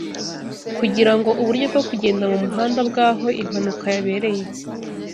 kugirango uburyo bwo kugenda mu muhanda bw'aho impanuka yabereye